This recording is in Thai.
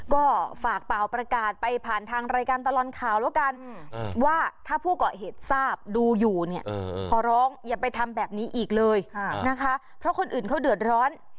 ก็ฝากเปล่าประกาศไปผ่านทางรายการตลอดข่าวแล้วกันว่าถ้าผู้เกาะเหตุทราบดูอยู่เนี่ยขอร้องอย่าไปทำแบบนี้อีกเลยนะคะเพราะคนอื่นเขาเดือดร้อน